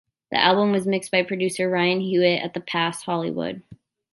The album was mixed by Producer Ryan Hewitt at "The Pass", Hollywood.